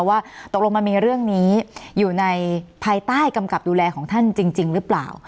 ว่าตกลงมันมีเรื่องนี้อยู่ในภายใต้กำกับดูแลของท่านจริงหรือเปล่า